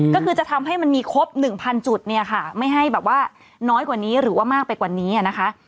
ก็คือจะทำให้มันมีครบ๑๐๐จุดเนี่ยค่ะไม่ให้แบบว่าน้อยกว่านี้หรือว่ามากไปกว่านี้นะคะ